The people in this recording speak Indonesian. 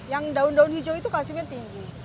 yang daun daun hijau itu kalsiumnya tinggi